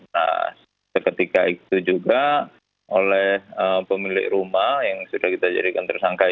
nah seketika itu juga oleh pemilik rumah yang sudah kita jadikan tersangka